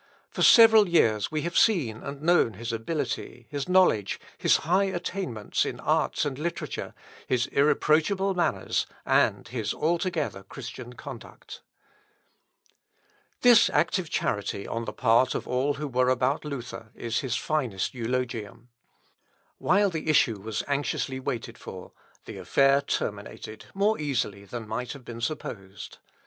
For several years we have seen and known his ability, his knowledge, his high attainments in arts and literature, his irreproachable manners, and his altogether Christian conduct." Ibid. i, 183, 184; xvii, 171, 172. This active charity on the part of all who were about Luther is his finest eulogium. While the issue was anxiously waited for, the affair terminated more easily than might have been supposed.